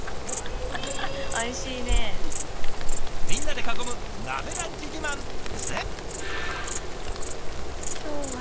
みんなで囲む鍋ランチ自慢！ですね。